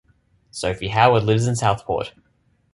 Sophie Howard lives in Southport.